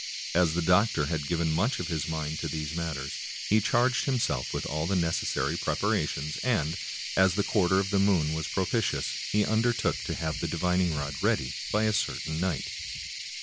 As the doc tor had given much of his mind to these matters he charged himself with all the necessary preparations, and, as the quar ter of the moon was propitious, he undertook to have the divining rod ready by a certain night.